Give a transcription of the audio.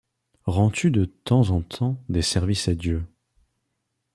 Rends-tu de temps en temps des services à Dieu ?